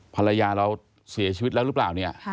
ภรรยาเราเสียชีวิตแล้วหรือเปล่าเนี่ย